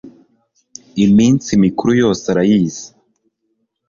iminsi mikuru yose arayizi